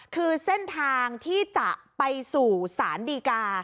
คือเส้นทางที่จะไปสู่สารดีกา